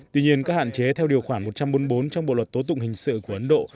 tuy nhiên các hạn chế theo điều khoản một trăm bốn mươi bốn trong bộ luật tố tụng hình sự của ấn độ